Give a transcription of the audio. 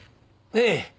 ええ。